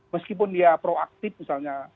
meskipun dia proaktif misalnya